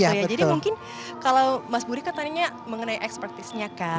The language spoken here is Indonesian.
jadi mungkin kalau mas buri kan tanya mengenai ekspertisnya kan